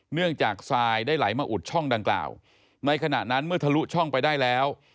เนื่องจากทรายได้ไหลมาอุดช่องดังกล่าวในขณะนั้นเมื่อทะลุช่องไปได้แล้ว